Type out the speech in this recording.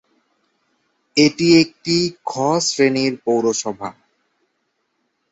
এটি একটি 'খ' শ্রেণীর পৌরসভা।